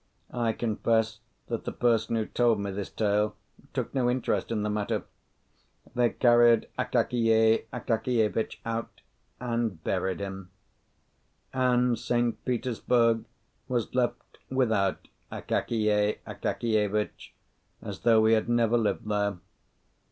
I confess that the person who told me this tale took no interest in the matter. They carried Akakiy Akakievitch out and buried him. And St. Petersburg was left without Akakiy Akakievitch, as though he had never lived there.